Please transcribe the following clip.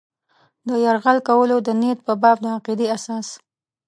د یرغل کولو د نیت په باب د عقیدې اساس.